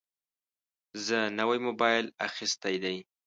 زه نوی موبایل اخیستی دی.